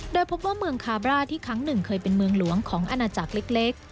โดยพบว่าเมืองคาบร่าที่ครั้งหนึ่งเคยเป็นเมืองหลวงของอาณาจักรเล็ก